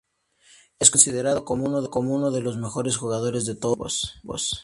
Es considerado como uno de los mejores jugadores de todos los tiempos.